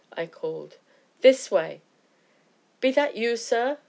I called; "this way!" "Be that you, sir?"